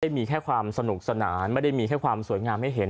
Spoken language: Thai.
มีแค่ความสนุกสนานไม่ได้มีแค่ความสวยงามให้เห็น